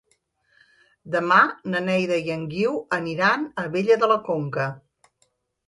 Demà na Neida i en Guiu aniran a Abella de la Conca.